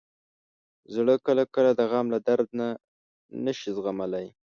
زړه کله کله د غم له درده نه شي زغملی.